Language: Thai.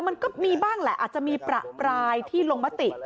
มันก็มีบ้างแหละอาจจะมีประปรายที่ลงมติ